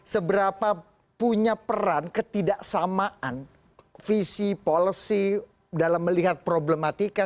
seberapa punya peran ketidaksamaan visi policy dalam melihat problematika